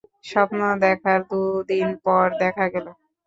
স্বপ্ন দেখার দু দিন পর দেখা গেল।